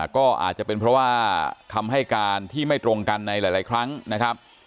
ก็อาจจะเป็นเพราะว่าคำให้การที่ไม่ตรงกันในหลายครั้งนะครับ